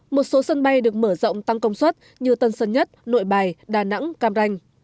một số sân bay được mở rộng tăng công suất như tân sơn nhất nội bài đà nẵng cam ranh